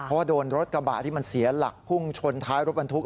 เพราะโดนรถกระบะที่มันเสียหลักพุ่งชนท้ายรถบรรทุก